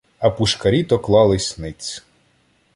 А пушкарі то клались ниць.